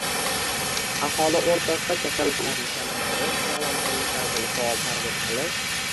aholi o‘rtasida kasalliklarni kamaytirish, sog‘lom turmush tarzini faol targ‘ib qilish